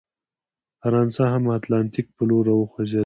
فرانسه هم اتلانتیک په لور راوخوځېده.